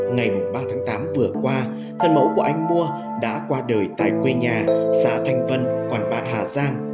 ngày ba tháng tám vừa qua thân mấu của anh mùa đã qua đời tại quê nhà xã thanh vân quảng ba hà giang